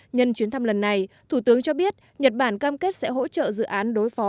nhân chuyến thăm lần này thủ tướng cho biết nhật bản cam kết sẽ hỗ trợ dự án đối phó